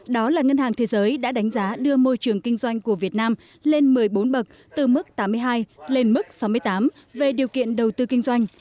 đó là ngân hàng thế giới đã đánh giá đưa môi trường kinh doanh của việt nam lên một mươi bốn bậc từ mức tám mươi hai lên mức sáu mươi tám về điều kiện đầu tư kinh doanh